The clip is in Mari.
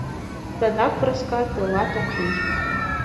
Садак Проска тылат ок лий!..